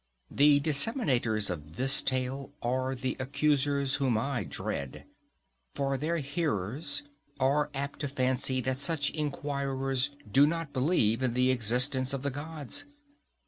The disseminators of this tale are the accusers whom I dread; for their hearers are apt to fancy that such enquirers do not believe in the existence of the gods.